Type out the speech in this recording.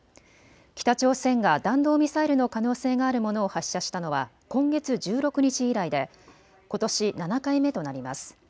北朝鮮が弾道ミサイルの可能性があるものを発射したのは今月１６日以来でことし７回目となります。